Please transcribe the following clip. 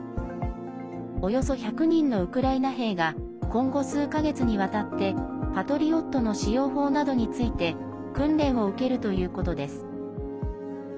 およそ１００人のウクライナ兵が今後、数か月にわたって「パトリオット」の使用法などについて訓練を受けるということです。